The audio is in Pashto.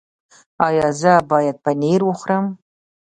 ایا زه باید پنیر وخورم؟